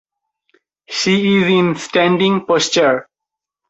She is in standing posture.